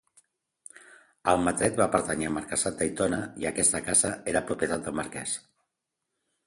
Almatret va pertànyer al marquesat d'Aitona, i aquesta casa era propietat del marquès.